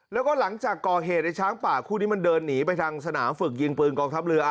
แล้วก็หลังจากก่อเหตุในช้างป่าคู่นี้มันเดินหนีไปทางสนามฝึกยิงปืนกองทัพเรือ